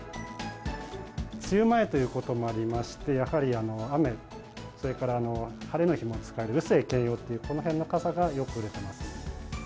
梅雨前ということもありまして、やはり雨、それから晴れの日も使える雨晴兼用という、このへんの傘がよく売れてます。